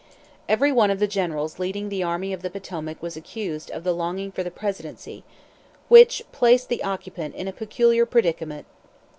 Every one of the generals leading the Army of the Potomac was accused of the "longing for the Presidency," which placed the occupant in a peculiar predicament.